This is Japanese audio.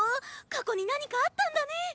過去に何かあったんだねっ！